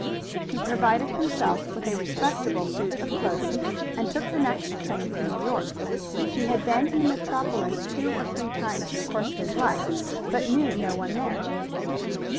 He provided himself with a respectable suit of clothing, and took the next train for New York. He had been in the metropolis two or three times in the course of his life, but knew no one there.